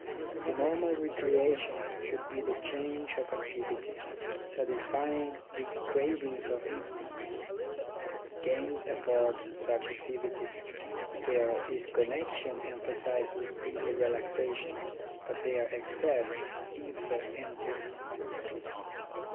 The normal recreation should be change of activity, satisfying the crav ings of instincts. Games afford such activity. Their disconnection emphasises the relaxation, but their excess leaves us empty.